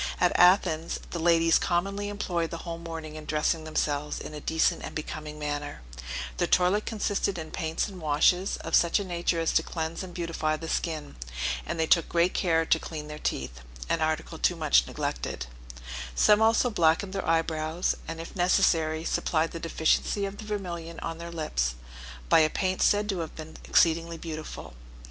At Athens, the ladies commonly employ the whole morning in dressing themselves in a decent and becoming manner; their toilet consisted in paints and washes, of such a nature as to cleanse and beautify the skin, and they took great care to clean their teeth, an article too much neglected: some also blackened their eyebrows, and, if necessary, supplied the deficiency of the vermillion on their lips, by a paint said to have been exceedingly beautiful.